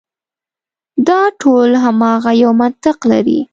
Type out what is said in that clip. دا ټول هماغه یو منطق لري.